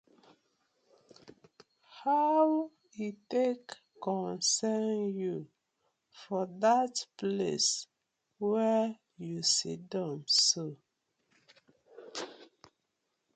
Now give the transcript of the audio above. How e tak concern yu for dat place wey yu siddon so?